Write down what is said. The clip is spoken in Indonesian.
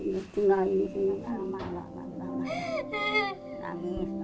nunggu dulu nunggu dulu nunggu dulu